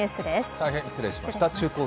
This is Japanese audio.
大変失礼しました。